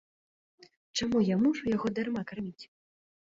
Чаму я мушу яго дарма карміць?